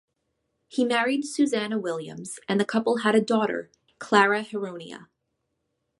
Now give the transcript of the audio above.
He married Susannah Williams, and the couple had a daughter, Clara Heronia.